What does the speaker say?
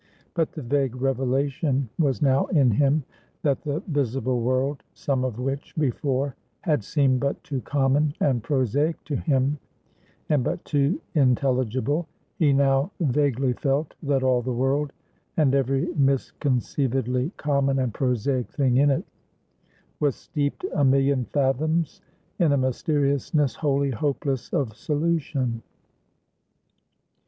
But the vague revelation was now in him, that the visible world, some of which before had seemed but too common and prosaic to him; and but too intelligible; he now vaguely felt, that all the world, and every misconceivedly common and prosaic thing in it, was steeped a million fathoms in a mysteriousness wholly hopeless of solution.